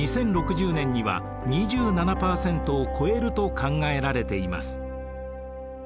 ２０６０年には２７％を超えると考えられています。